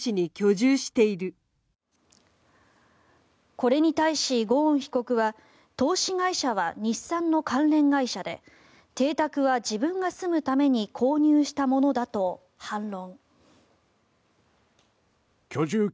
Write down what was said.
これに対し、ゴーン被告は投資会社は日産の関連会社で邸宅は自分が住むために購入したものだと反論。